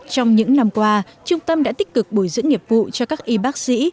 trong những năm qua trung tâm đã tích cực bồi dưỡng nghiệp vụ cho các y bác sĩ